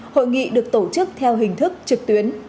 hội nghị được tổ chức theo hình thức trực tuyến